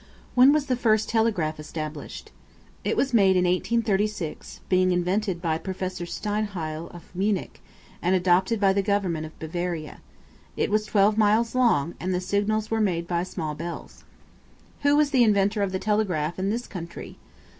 When was the first telegraph established? It was made in 1836, being invented by Prof. Steinheil, of Munich, and adopted by the government of Bavaria. It was 12 miles long, and the signals were made by small bells. Who was the inventor of the telegraph in this country?